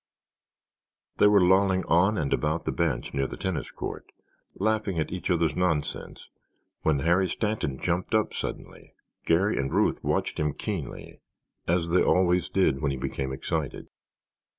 They were lolling on and about the bench near the tennis court, laughing at each other's nonsense, when Harry Stanton jumped up suddenly. Garry and Ruth watched him keenly, as they always did when he became excited.